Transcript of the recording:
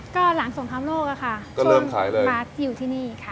ก็หลังส่งคำโลกค่ะจนมาอยู่ที่นี่ค่ะ